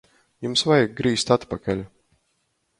Jums vajag grīzt atpakaļ!